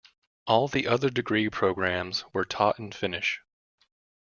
All the other degree programmes were taught in Finnish.